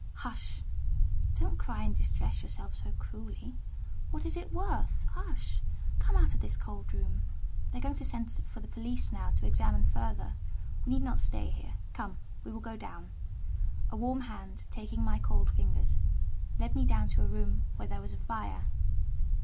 "Hush! don't cry and distress yourself so cruelly. What is it worth? Hush! Come out of this cold room; they are going to send for the police now to examine further: we need not stay here—come, we will go down." A warm hand, taking my cold fingers, led me down to a room where there was a fire.